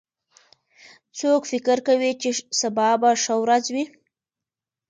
څوک فکر کوي چې سبا به ښه ورځ وي